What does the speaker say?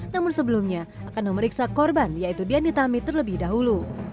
namun sebelumnya akan memeriksa korban yaitu dianitami terlebih dahulu